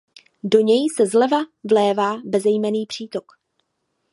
Do něj se zleva vlévá bezejmenný přítok.